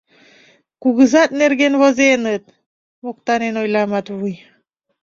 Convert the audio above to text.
— Кугызат нерген возеныт! — моктанен ойла Матвуй.